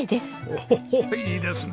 おおっいいですね。